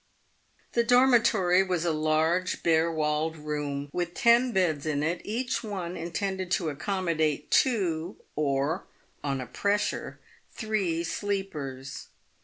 The dormitory was a large, bare walled room, with ten beds in it, each one intended to accommodate two, or, on a pressure, three sleepers.